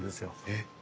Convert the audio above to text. えっ。